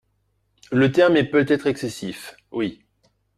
le terme est peut-être excessif, Oui